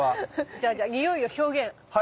じゃあじゃあにおいを表現！